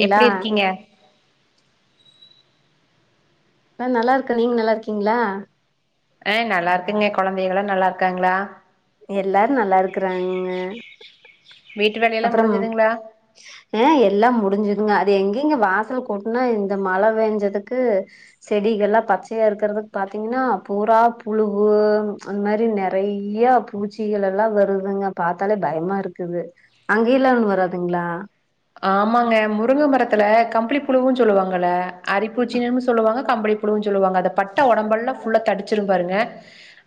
ங்களா எப்டி இருக்கிங்க ஆ நல்லாருக்க நீங்க நல்லாருக்கிங்ளா அ நல்லாருக்கேங்க கொழந்தைகளா நல்லாருக்காங்ளா எல்லாரும் நல்லாருக்கறாங்க வீட்டு வேலையெல்லா அப்றம் முடிஞ்சதுங்களா ஆ எல்லாம் முடிஞ்சதுங்க அது எங்கெங்க வாசல் கூட்னா இந்த மழ பேஞ்சதுக்கு செடிகள்லா பச்சையாருக்றதுக் பாத்தீங்னா பூரா புழுவு அந்த மாரி நிறைய பூச்சிகள்லா வருதுங்க பாத்தாலே பயமாருக்குது அங்கயல்லா ஒண்ணு வராதுங்களா ஆமாங்க முருங்க மரத்துல கம்பளி புழுவுன் சொல்லுவாங்கல அரிப்பூச்சினு சொல்லுவாங்க கம்பளி புழுன்னு சொல்லுவாங்க பட்ட உடம்பெல்லா புல்லா தடிச்சிருனு பாருங்க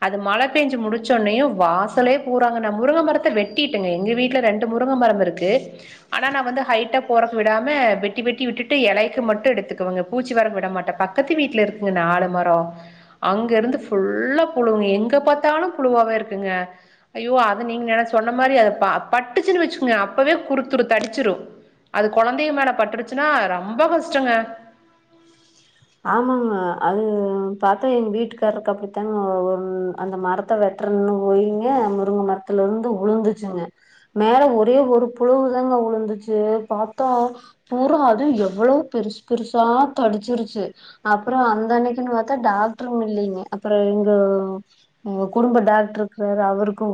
அது மழ பேஞ்சு முடிச்சொன்னையு வாசலே பூறாங்க முருங்க மரத்த வெட்டிடங்க எங்க வீட்ல ரண்டு முருங்கமரம் இருக்கு ஆனா நா வந்து ஹைட்டா போறக்கு விடாம வெட்டி வெட்டி விட்டுட்டு இலைக்கு மட்டும் எடுத்துக்குவங்க பூச்சி வர விட மாட்ட பக்கத்து வீட்ல இருக்குங்க நாலு மரம் அங்கருந்து ஃபுல்லா புழுவுங்க எங்க பாத்தாலு புழுவாவே இருக்குங்க ஐயோ அது நீங்க எ சொன்ன மாரி அத ப பட்டுச்சுன்னு வச்சுக்கோங்க அப்பவே குறுத்துரு தடிச்சிரும் அது கொழந்தைக மேல பட்டுருச்சுனா ரொம்ப கஷ்டங்க ஆமாங்க அது பாத்தா எங் வீட்டுக்காருக்கு அப்படித்தாங்க அந்த மரத்த வெட்றன்னு போய்ங்க முருங்க மரத்துலருந்து உளுந்துச்சுங்க மேல ஒரே ஒரு புலவுதாங்க உளுந்துச்சு பாத்தா பூரா அதுவும் எவ்ளோ பெருசு பெருசா தடிச்சிருச்சு அப்றம் அந்த அன்னைக்குனு பாத்தா டாக்டரும் இல்லிங்க அப்றம் எங்க குடும்ப டாக்டருக்காரு அவருக்கும்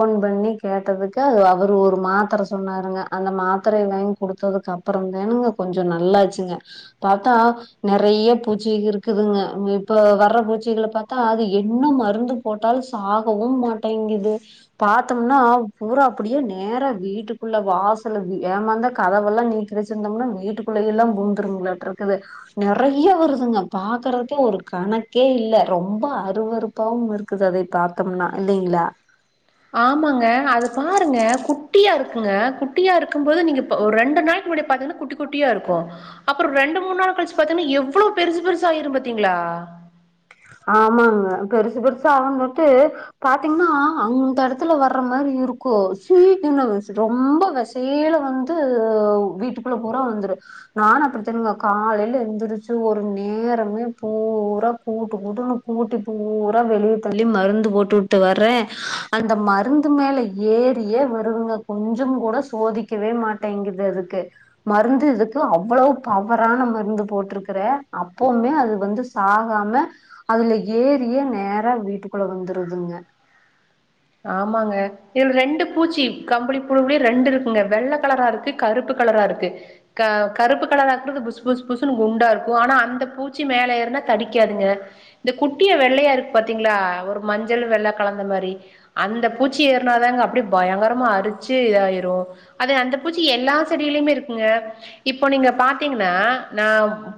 போன் பண்ணி கேட்டதுக்கு அவரு ஒரு மாத்ர சொன்னாருங்க அந்த மாத்ர வாங்கி குடுத்ததுக்கு அப்றம் தானுங்க கொஞ்ச நல்லாச்சுங்க பாத்தா நிறைய பூச்சி இருக்குதுங்க இப்ப வர பூச்சிகள பாத்தா அது என்ன மருந்து போட்டாலும் சாகவும் மாட்டேங்குது பாத்தம்னா பூரா அப்டியே நேர வீட்டுக்குள்ள வாசல ஏமாந்தா கதவல்லா நீக்கரிச்சிருந்தம்னா வீட்டுக்குள்ளயலா பூந்துருங்களாட்ருக்குது நிறைய்ய வருதுங்க பாக்றக்கே ஒரு கணக்கே இல்ல ரொம்ப அருவறுப்பாவும் இருக்குது அதை பாத்தம்னா இல்லிங்ளா ஆமாங்க அது பாருங்க குட்டியாருக்குங்க குட்டியா இருக்கும்போது நீங்க ஒரு ரெண்டு நாளைக்கு முன்னடியா பாத்தீங்னா குட்டி குட்டியாருக்கும் அப்றம் ரெண்டு மூணு நாள் கழிச்சு பாத்தீங்னா எவ்ளோ பெருசு பெருசாயிரும் பாத்தீங்ளா ஆமாங்க பெருசு பெருசு அவங்க வட்டு பாத்தீங்னா அந்த இடத்துல வர மாரி இருக்கும் சீ ரொம்ப வெசைல வந்து வீட்டுக்குள்ள பூரா வந்துரு நானு அப்டிதானுங்க காலைல எந்துருச்சு ஒரு நேரமே பூரா கூட்டு கூட்டு கூட்டுனு கூட்டி பூரா வெளிய தள்ளி மருந்து போட்டுட்டு வர்ற அந்த மருந்து மேல ஏரியே வருதுங்க கொஞ்ச கூட சோதிக்கவே மாட்டேங்குது அதுக்கு மருந்து இதுக்கு அவ்வளவு பவர்றான மருந்து போட்டிருக்கற அப்பவுமே அது வந்து சாகாம அதுல ஏறி நேரா வீட்டுக்குள்ள வந்துருதுங்க ஆமாங்க இதுல ரெண்டு பூச்சி கம்பளி புழுவுலே ரெண்டு இருக்குங்க வெள்ள கலராருக்கு கருப்பு கலராருக்கு அ கருப்பு கலராக்குறது புசு புசு புசுன்னு குண்டாருக்கும் ஆனா அந்த பூச்சி மேல ஏறனா தடிக்காதுங்க இந்த குட்டியா வெள்ளையா இருக்கு பாத்தீங்ளா ஒரு மஞ்சள் வெள்ள கலந்த மாரி அந்த பூச்சி ஏறனாதாங்க அப்டி பயங்கரமா அரிச்சு இதாயிரும் அது அந்த பூச்சி எல்லா செடியிலயுமே இருக்குங்க இப்போ நீங்க பாத்தீங்னா நா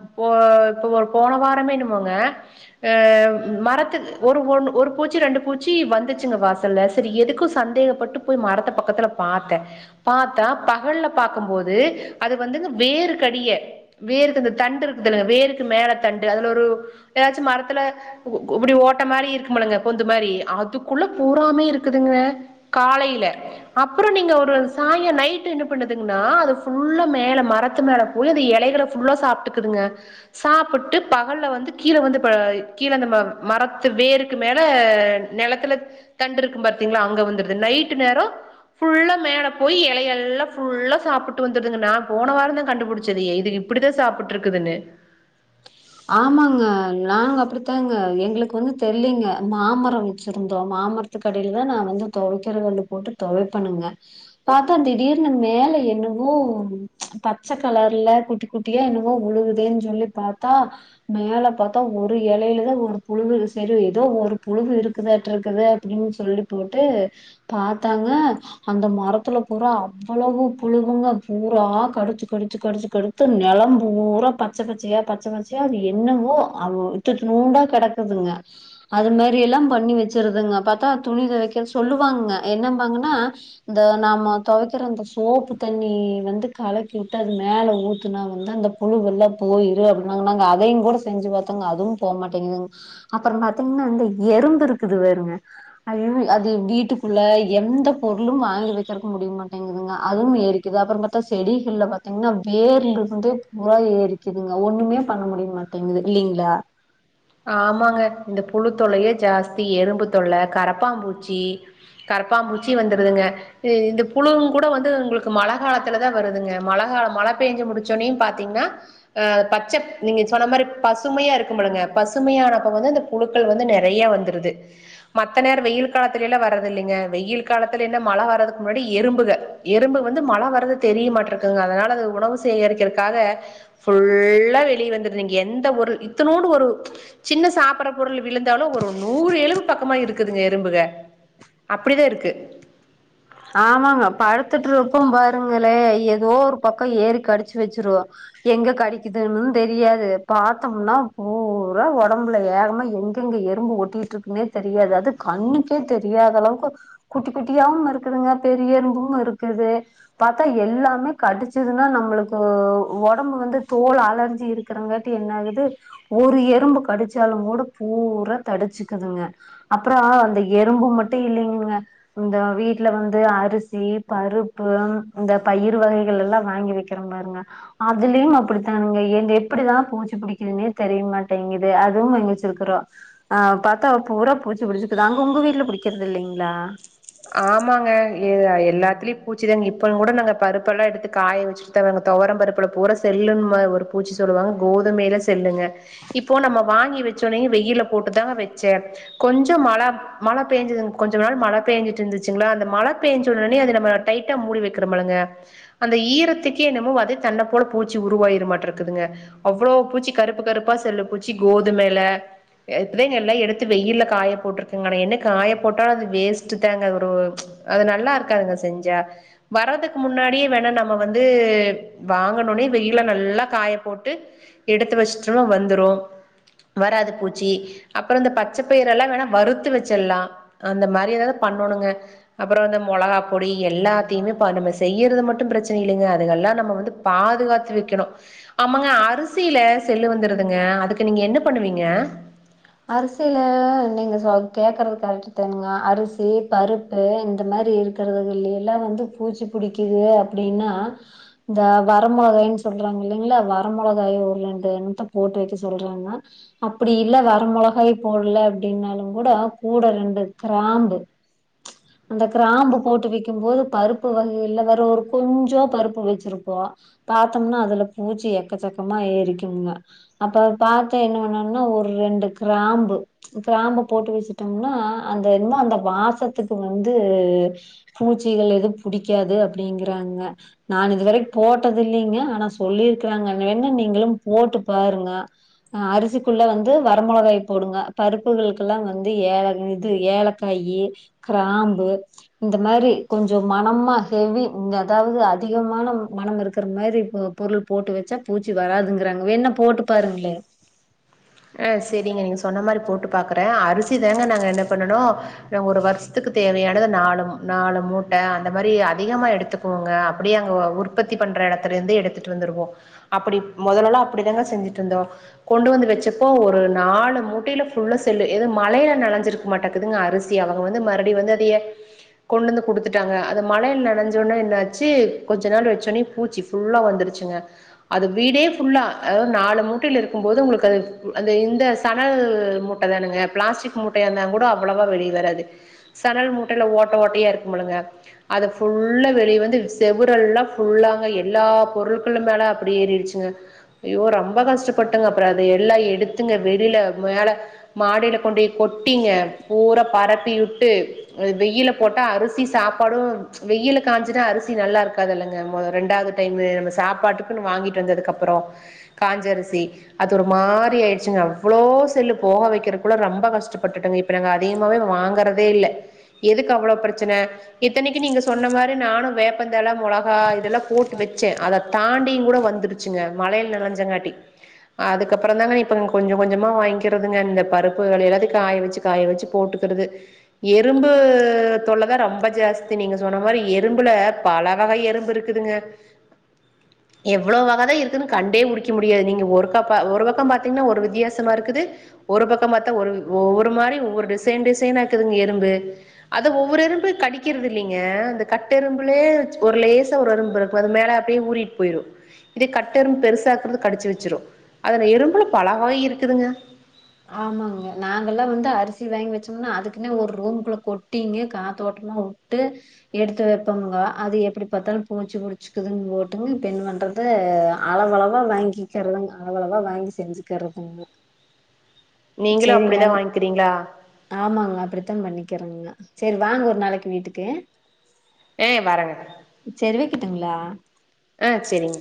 இப்போ இப்ப ஒரு போன வாரமே என்னமோங்க ஆ மரத்து ஒரு ஒன் ஒரு பூச்சி ரெண்டு பூச்சி வந்துச்சுங்க வாச ல சரி எதுக்கு சந்தேகப்பட்டு போய் மரத்த பக்கத்ல பாத்த பாத்தா பகல்ல பாக்கும்போது அது வந்து வேரு கடிய வேருக்கு அந்த தண்டு இருக்குதுல வேருக்கு மேல தண்டு அதுல ஒரு ஏதாச்சும் மரத்துல இப்டி ஓட்ட மாரி இருக்குமுலங்க பொந்து மாரி அதுக்குள்ள பூறாமே இருக்குதுங்க காலைல அப்றம் நீங்க ஒரு சாய்ங்கம் நைட்டு என்ன பண்ணுதுங்னா அது ஃபுல்லா மேல மரத்து மேல போய் அந்த இலைகள ஃபுல்லா சாப்பிட்டுக்குதுங்க சாப்புட்டு பகல்ல வந்து கீழ வந்து கீழ அந்த மரத்து வேருக்கு மேல நிலத்துல தண்டுருக்கும் பாத்தீங்ளா அங்க வந்துருது நைட்டு நேரம் ஃபுல்லா மேல போய் இலையல்லாம் ஃபுல்லா சாப்புட்டு வந்ருதுங்க நா போன வாரந்தா கண்டுபிடிச்சது இது இப்டிதா சாப்பிட்டுருக்குதுனு ஆமாங்க நாங்க அப்டித்தாங்க எங்ளுக்கு வந்து தெரிலிங்க மாமரம் வச்சிருந்தோ மாமரத்துக்கடிலதா நா வந்து துவைக்கிற கல்லு போட்டு துவைப்பணுங்க பாத்தா திடீர்னு மேல என்னவோ பச்ச கலர்ல குட்டி குட்டியா என்னவோ உழுகுதேன்னு சொல்லி பா த்தா மேல பாத்தா ஒரு இலைலதா ஒரு புழுவு செரு எதோ ஒரு புழுவு இருக்குதாட்ருக்குது அப்டினு சொல்லி போட்டு பாத்தாங்க அந்த மரத்துல பூரா அவ்வளவு புழுவுங்க பூரா கடிச்சு கடிச்சு கடிச்சு கடுத்து நிலம் பூரா பச்ச பச்சையா பச் பச்ச பச்சையா அது என்னவோ த்துத்லூன்டா கிடக்குதுங்க அது மேறிலா பண்ணி வச்சிருதுங்க பாத்தா துணி துவைக்க சொல்லுவாங்க என்னம்பாங்கனா இந்த நாம துவைக்ற அந்த சோப்பு தண்ணி வந்து கலக்கி விட்டு அது மேல ஊத்துனா வந்து அந்த புழுவெல்லாம் போயிரு அப்டின் நாங்க நாங்க அதையுங்கோட செஞ்சு பாத்தோங்க அதுவு போமாட்டேங்து அப்ற பாத்திங்னா இந்த எறும்பு இருக்குது பாருங்க அது வீட்டுக்குள்ள எந்த பொருளும் வாங்கி வக்கிறக்கு முடிய மாட்டேங்குதுங்க அதுவு ஏரிக்குது அப்ற பாத்தா செடிகள்ல பாத்திங்னா வேர்லருந்து பூரா ஏரிக்குதுங்க ஒண்ணுமே பண்ண முடிய மாட்டேங்குது இல்லிங்ளா ஆமாங்க இந்த புழுத்தொல்லையே ஜாஸ்தி எறும்புத்தொல்ல கரப்பாம்பூச்சி கரப்பாம்பூச்சி வந்துருதுங்க இந்த புழு கூட வந்து உங்ளுக்கு மழ காலத்துலதா வருதுங்க மழகாலம் மழ பேஞ்சு முடிச்சோன்னே பாத்தீங்னா அ பச்ச நீங்க சொன்ன மாரி பசுமையாருக்கும் பழுங்க பசுமையானப்ப வந்து அந்த புழுக்கள் வந்து நிறைய வந்துருது மத்த நேரம் வெயில் காலத்துலலா வர்றதுல்லைங்க வெயில் காலத்துல என்ன மழ வறதுக்கு முன்னாடி எறும்புக எறும்பு வந்து மழ வறது தெரிய மாட்டருக்குங்க அதனால அது உணவு சேகரிக்கிறக்காக ஃபுல்லா வெளிய வந்துருந்தீங்க எந்த ஒரு இத்தலூன்டு ஒரு சின்ன சாப்ற பொருள் விழுந்தாலும் ஒரு நூறு எலும்பு பக்கமா இருக்குதுங்க எறும்புக அப்டிதாருக்கு ஆமாங்க பழுத்துட்ருப்போ பாருங்களே ஏதோ ஒரு பக்கம் ஏறி கடிச்சு வச்சிரும் எங்க கடிக்குதுன்னு தெரியாது பாத்தம்னா பூரா உடம்புல வேகமா எங்கெங்க எறும்பு ஒட்டிட்ருக்குனே தெரியாது அது கண்ணுக்கே தெரியாத அளவுக்கு குட்டி குட்டியாவுமிருக்கு இருக்குதுங்க பெரிய எறும்பும் இருக்குது பாத்தா எல்லாமே கடிச்சதுனா நம்ளுக்கு உடம்பு வந்து தோல் அலர்சி இருக்கறங்காட்டி என்ன ஆகுது ஒரு எறும்பு கடிச்சாலும் கூட பூரா தடிச்சுக்குதுங்க அப்றம் அந்த எறும்பு மட்டும் இல்லிங்க இந்த வீட் ல வந்து அரிசி பருப்பு இந்த பயிர் வகைகள்லா வாங்கி வக்கிற பாருங்க அதுலயும் அப்டித்தானுங்க எ எப்டிதா பூச்சி புடிக்குதுனே தெரியமாட்டங்குது அதும் வாயிங்வச்சிருக்கற அ பாத்தா பூரா பூச்சி புடிச்சுக்குது அங்க உங்க வீட்ல புடிக்றது இல்லிங்ளா எது எல்லாத்லியு பூச்சிதாங்க இப்பவு கூட நாங்க பருப்பெல்லா எடுத்து காய வச்சிட்தா வரங்க தொவரம் பருப்பல பூரா செல்லும்மா ஒரு பூச்சி சொல்லுவாங்க கோதுமைல செல்லுங்க இப்போ நம்ம வாங்கி வச் சொன்னே வெய்யில்ல போட்டுத்தா வச்ச கொஞ்சம் மழ மழ பேஞ்சதுங் கொஞ்ச நாள் மழ பேஞ்ச இருந்துச்சுங்லா அந்த மழ பேஞ்சொடனே அது நம டைட்டா மூடி வக்ற பழுங்க அந்த ஈரத்துக்கே என்னமோ அது தன்னப்போல பூச்சி உருவாயிருமாட்ரக்குதுங்க அவ்ளோ பூச்சி கருப்பு கருப்பா செல்லு பூச்சி கோதுமைல அது நல்லா எடுத்து வெய்யில்ல காய போட்ருக்கங்க ஆன என்ன காயபோட்டா அது வேஸ்ட்டு தாங்க ஒரு அது நல்லாருக்காதுங்க செஞ்சா வர்றதுக்கு முன்னாடியே வேணா நம்ம வந்து வாங்கணோனே வெயில நல்லா காய போட்டு எடுத்து வச்சுட்டோனா வந்துரும் வராது பூச்சி அப்றம் இந்த பச்சப்பயிரெல்லா வேணா வறுத்து வச்சில்லா அந்த மாரி ஏதாவ பண்ணணுங்க அப்றம் இந்த மொளகா பொடி எல்லாத்தியுமே நம்ம செய்யறது மட்டும் பிரச்சன இல்லைங்க அது எல்லா நம்ம வந்து பாதுகாத்து வக்கணும் ஆமாங்க அரிசில செல்லு வந்துருதுங்க அதுக்கு நீங்க என்ன பண்ணுவீங்க அரிசில நீங்க சொல் கேக்கறது கரக்ட் தாணுங்க அரிசி பருப்பு இந்த மாரி இருக்கறதுகள்ள எல்லா வந்து பூச்சி புடிக்கிது அப்டின்னா இந்த வரமொளகாயின் சொல்லுராங்க இல்லைங்களா வர மொளகாய ஒரு ரெண்டு எண்ணத்த போட்டு வக்க சொல்றாங்கன்னா அப்டி இல்ல வ ர மொளகாய போட்ல அப்டின்னாலு கூட கூட ரெண்டு கிராம்பு அந்த க்ராம்பு போட்டு வெக்கு போது பருப்பு வகில வேற ஒரு கொஞ்சோ பருப்பு வெச்சிருப்போ பாத்தோம்னா அதுல பூச்சி எக்கச்சக்கமா ஏரிக்குங்க அப்ப பாத்த என்ன பண்ணன்னா ஒரு ரெண்டு கிராம்பு கிராம்பு போட்டு வெச்சுட்டோம்னா அ அந்த என்ன அந்த வாசத்துக்கு வந்து பூச்சிகள் எதுவு புடிக்காது அப்டிங்கறங்க நா இதுவர போட்டது இல்லைங்க ஆனா சொல்லிருக்றாங்க வேன்னா நீங்களு போட்டு பாருங்க அரிசிக்குள்ள வந்து வர வர மொளகாய போடுங்க பருப்புகளுக்கெல்லா வந்து ஏல இது ஏலக்காயி க்ராம்பு இந்த மாரி கொஞ்சோ மணமா ஹெவி இங்க அதாவது அதிகமான மனம் இருக்கற மாரி பொருள் போட்டு வெச்சா பூச்சி வராதுங்கறாங்க வேண்ணா போட்டு பாருங்களே ஆ சேரிங்க நீங்க சொன்ன மாரி போட்டு பாக்குற அ அரிசி தாங்க நாங்க என்ன பண்ணனு ஒரு வருஸ்துக்கு தேவையானத நாலு நாலு மூட்ட அந்த மாரி அதிகமா எடுத்துக்குவோங்க அப்டியே அங்க உற்பத்தி பண்ற எடத்துல இருந்து எடுத்துட்டு வந்துருவோ அப்டி மொதலெல்லா அப்டிதாங்க செஞ்சுட்டு இருந்தோ கொண்டு வந்து வெச்சு ப்போ ஒரு நாலு மூட்டைல ஃபுல்லா செல்லு ஏது மழைல நலஞ்சிருக்கும் மாட்டங்குதுங்க அரிசி அவங்க வந்து மறப்டி வந்து அதிய கொண்டந்து குடுத்துட்டாங்க அது மழைல நனஞ்சோனா என்னாச்சி கொஞ்ச நாள் வச்சோனே பூச்சி ஃபுல்லா வந்துருச்சுங்க அது வீடே ஃபுல்லா அதுவு நாலு மூட்டையில இருக்கும்போது உங்குளுக்கு அது ம் அது இந்த சணல் மூட்ட தானங்க பிளாஸ்டிக் மூட்டைய இருந்தா கூடோ அவ்வளவா வெளியே வராது சணல் மூட்டைல ஓட்ட ஓட்டயா இருக்குமுலங்க அது ஃபுல்லா வெளிய வந்து செவுரல்லா ஃபுல்லாங்க எல்லா பொருள்களும் மேல அப்டி ஏறிடுச்சுங்க ஐயோ ரொம்ப கஷ்டப்பட்டங்க அப்றோ அது எல்லா ஏ எடுத்துங்க வெளில மேல மாடில கொண்டுபோய் கொட்டிங்க பூரா பரப்பிவுட்டு வெயில்ல போட்டா அரிசி சாப்பாடு வெயில்ல காஞ்சுனா அரிசி நல்லாருக்காதுலங்க மொத ரெண்டாவது டைமூ நம்ம சாப்பாட்டுக்குன்னு வாங்கிட்டு வந்ததுக்கப்புறோ காஞ்ச அரிசி அது ஒரு மாரி ச்சுங்க அவ்வளோ செல்லு போக வைக்கிறக்குள்ள ரொம்ப கஷ்டப்பட்டுடங்க இப்ப நாங்க அதிகமாவே வாங்கறதே இல்ல எதுக்கு அவ்வளோ பிரச்சன இத்தனைக்கு நீ கொஞ் கொஞ்ச கொஞ்சமா வாங்கிறதுங்க இந்த பருப்புகள் எல்லாத்தையு காய வெச்சு காய வெச்சு போட்டுக்குறது எறும்பு தொல்லதா ரொம்ப ஜாஸ்தி நீங்க சொன்ன மாரி எறும்புல பல வகை எறும்பு இருக்குதுங்க எவ்ளோ வகதா இருக்குன்னு கண்டே புடிக்க முடியல நீங்க ஒரு கப்பா ஒரு பக்கம் பாத் என்ன ஒரு வித்தியாசமா இருக்குது ஒரு பக்கம் பாத்தா ஒரு ஒ ஒரு மாரி ஒரு டிசைன் டிசைனா இக்குதுங்க எறும்பு அது ஒவ்வொரு எறும்பு கடிக்கிறது இல்லிங்க இந்த கட்டெரும்புலேச் ஒரு லேசா ஒரு எறும்பு இருக்கு அது மேல அப்டே ஊறிட் போய்ரும் இதே கட்டெரும் பெருசா இருக்குறது கடிச்சு வெச்சிரூ அது அந்த எறும்புல பலவகய் இருக்குதுங்க ஆமாங்க நாங்கல்லா வந்து அரிசி வாங்கி வச்சோம்னா அதுக்குன்னே ஒரு ரூம்க்குள்ள கொட்டிங்க காத்தோட்டமா வுட்டு எடுத்து வெப்போம்ங்க அது எப்புடி பாத்தாலு பூச்சு புடிச்சுக்குதுன்னு போட்டுங்க இப்ப என்ன பண்றது அளவளவா வாங்கிக்கெறதுங்க அவளவா வாங்கி செஞ்சுக்கறதுங்க நீங்களு அப்டிதா சேரிங்கள் வாங்கிக்கிறீங்களா ஆமாங்க அப்டித்தா பண்ணிக்கறங்க சேரி வாங்க ஒரு நாளைக்கு வீட்டுக்கு ஏஹ் வரேங்க ட்டுங்களா ஆ செரிங்க